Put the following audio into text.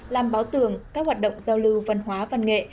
làm báo tường các hoạt động giao lưu văn hóa văn nghệ